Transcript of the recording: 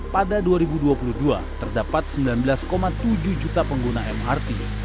pada dua ribu dua puluh dua terdapat sembilan belas tujuh juta pengguna mrt